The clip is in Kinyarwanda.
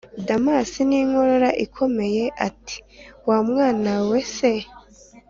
damas ninkorora ikomeye ati: wa mwana we se